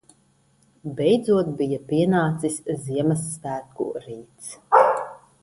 Beidzot bija pienācis Ziemassvētku rīts.